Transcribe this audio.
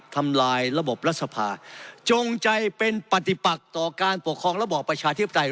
ทำลายระบบรัฐสภาจงใจเป็นปฏิปักต่อการปกครองระบอบประชาธิปไตย